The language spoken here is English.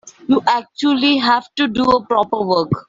You actually have to do proper work.